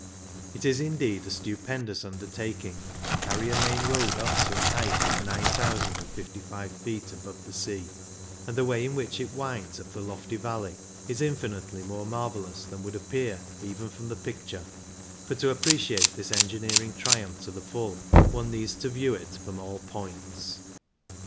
It is indeed a stupendous undertaking, to carry a main road up to a height of 9,055 feet above the sea ; and the way in which it winds up the lofty valley is infinitely more marvellous than would appear even from the picture, for to appreciate this engineering triumph to the full one needs to view it from all points.